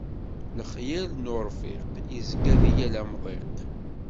Lexyal n urfiq, yezga di yal amḍiq.